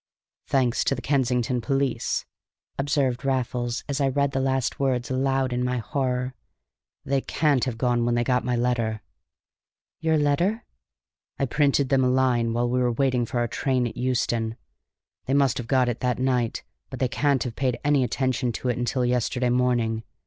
"Thanks to the Kensington police," observed Raffles, as I read the last words aloud in my horror. "They can't have gone when they got my letter." "Your letter?" "I printed them a line while we were waiting for our train at Euston. They must have got it that night, but they can't have paid any attention to it until yesterday morning.